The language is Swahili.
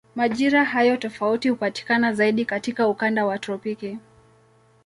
Majira hayo tofauti hupatikana zaidi katika ukanda wa tropiki.